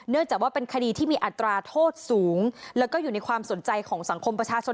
จากว่าเป็นคดีที่มีอัตราโทษสูงแล้วก็อยู่ในความสนใจของสังคมประชาชน